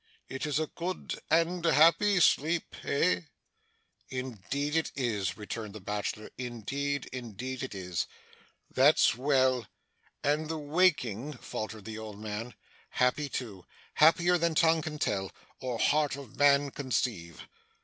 It is a good and happy sleep eh?' 'Indeed it is,' returned the bachelor. 'Indeed, indeed, it is!' 'That's well! and the waking ' faltered the old man. 'Happy too. Happier than tongue can tell, or heart of man conceive.